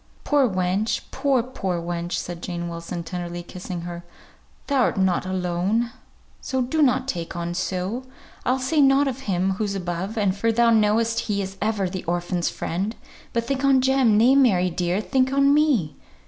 "Poor wench! poor, poor wench!" said Jane Wilson, tenderly kissing her. "Thou'rt not alone, so donnot take on so. I'll say nought of Him who's above, for thou know'st He is ever the orphan's friend; but think on Jem! nay, Mary, dear, think on me!